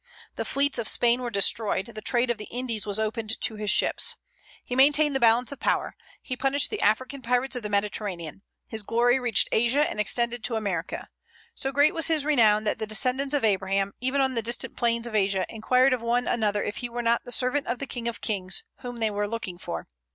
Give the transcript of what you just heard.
The fleets of Spain were destroyed; the trade of the Indies was opened to his ships. He maintained the "balance of power." He punished the African pirates of the Mediterranean. His glory reached Asia, and extended to America. So great was his renown that the descendants of Abraham, even on the distant plains of Asia, inquired of one another if he were not the servant of the King of Kings, whom they were looking for.